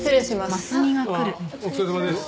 ああお疲れさまです。